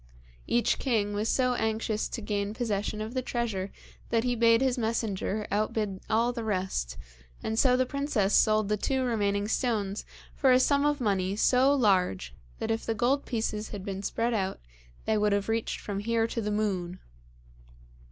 Each king was so anxious to gain possession of the treasure that he bade his messenger outbid all the rest, and so the princess sold the two remaining stones for a sum of money so large that if the gold pieces had been spread out they would have reached from here to the moon.